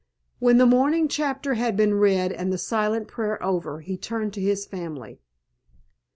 When the morning chapter had been read and the silent prayer over, he turned to his family.